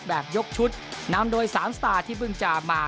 แบบยกชุดนำโดย๓สตาร์ที่เพิ่งจะมา